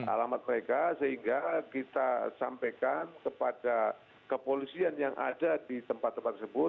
alamat mereka sehingga kita sampaikan kepada kepolisian yang ada di tempat tempat tersebut